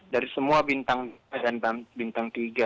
dari semua bintang